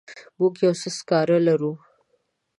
موږ یو څه سکاره لرو.